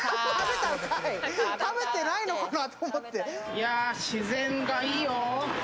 いや、自然がいいよ。